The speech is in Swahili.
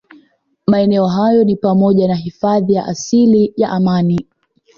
Maeneo hayo ni pamoja na hifadhi ya asili ya Amani